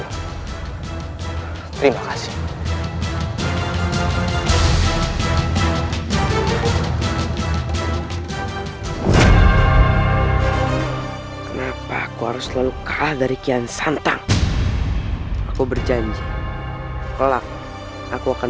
raden ayo kita pergi ke pertajaran